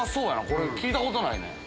これ聞いたことないね。